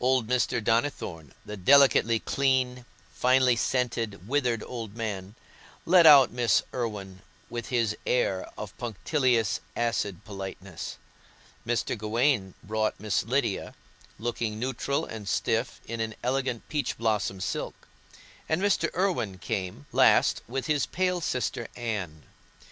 Old Mr. Donnithorne, the delicately clean, finely scented, withered old man, led out Miss Irwine, with his air of punctilious, acid politeness; Mr. Gawaine brought Miss Lydia, looking neutral and stiff in an elegant peach blossom silk; and Mr. Irwine came last with his pale sister Anne.